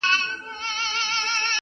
کۀ پس د تللو راځي